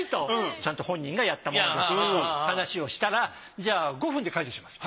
ちゃんと本人がやったものですと話をしたらじゃあ５分で解除しますと。